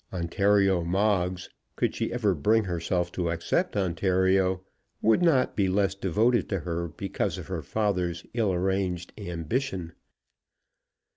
Ontario Moggs, could she ever bring herself to accept Ontario, would not be less devoted to her because of her father's ill arranged ambition.